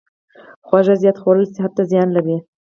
خواږه زیات خوړل صحت ته زیان لري.